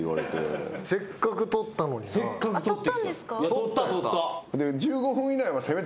取った取った。